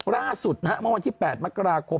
ล่าสุดเมื่อวันที่๘มกราคม